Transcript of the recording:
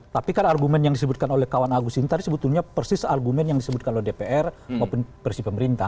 tapi kan argumen yang disebutkan oleh kawan agus ini tadi sebetulnya persis argumen yang disebutkan oleh dpr maupun persis pemerintah